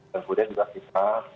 dan kemudian juga kita